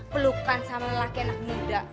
pelukan sama lelaki anak muda